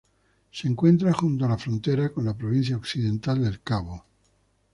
Se encuentra junto a la frontera con la Provincia Occidental del Cabo.